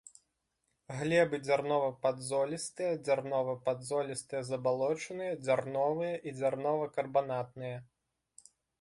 Глебы дзярнова-падзолістыя, дзярнова-падзолістыя забалочаныя, дзярновыя і дзярнова-карбанатныя.